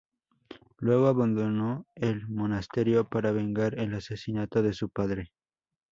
Luego abandonó el monasterio para vengar el asesinato de su padre.